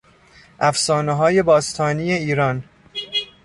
افسانههای باستانی ایران